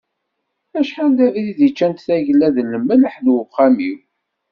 Acḥal d abrid i ččant tagella d lemleḥ n uxxam-iw.